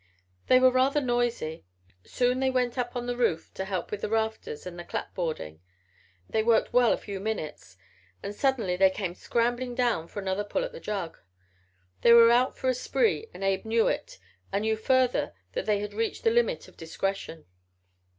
They were rather noisy. Soon they went up on the roof to help with the rafters and the clapboarding. They worked well a few minutes and suddenly they came scrambling down for another pull at the jug. They were out for a spree and Abe knew it and knew further that they had reached the limit of discretion.